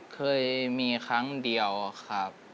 เคยมีครั้งเดียวครับ